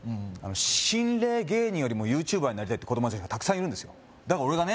心霊芸人よりもＹｏｕＴｕｂｅｒになりたいって子供達がたくさんいるんですよだから俺がね